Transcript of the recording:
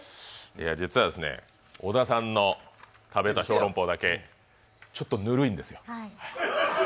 実はですね、小田さんの食べたショーロンポーだけちょっとぬるいんですよ。